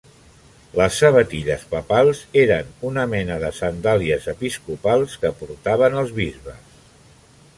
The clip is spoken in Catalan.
Les sabatilles papals eren una mena de sandàlies episcopals que portaven els bisbes.